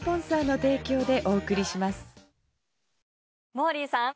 モーリーさん